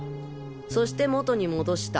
そして元に戻した。